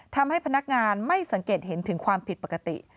ทำให้พนักงานไม่สังเกตเห็นถึงความผิดปกติ